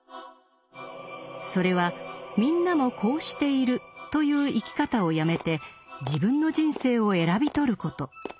それは「みんなもこうしている」という生き方をやめて自分の人生を選び取ること。